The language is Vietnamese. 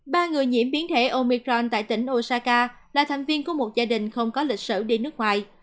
ba người nhiễm biến thể omicron tại tỉnh osaka là thành viên của một gia đình không có lịch sử đi nước ngoài